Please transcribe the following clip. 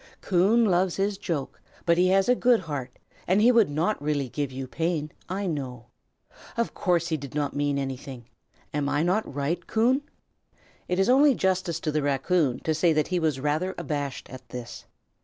Coon loves his joke; but he has a good heart, and he would not really give you pain, I know. Of course he did not mean anything. Am I not right, Coon?" It is only justice to the raccoon to say that he was rather abashed at this.